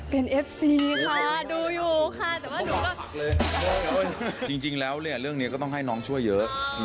เป็นเอฟซีค่ะดูอยู่ค่ะแต่ว่าหนูก็จริงแล้วเนี่ยเรื่องนี้ก็ต้องให้น้องช่วยเยอะ